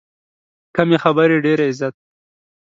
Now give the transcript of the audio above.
کمې خبرې، ډېر عزت.